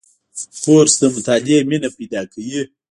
کورس د مطالعې مینه پیدا کوي.